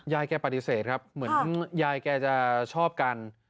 แกปฏิเสธครับเหมือนยายแกจะชอบกัน